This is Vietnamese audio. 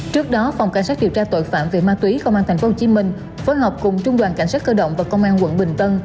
trước đó phòng cảnh sát điều tra tội phạm về ma túy công an tp hcm phối hợp cùng trung đoàn cảnh sát cơ động và công an quận bình tân